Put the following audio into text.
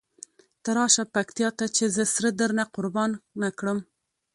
ته راسه پکتیکا ته چې زه سره درنه قربانه کړم.